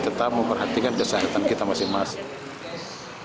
tetap memperhatikan kesehatan kita masing masing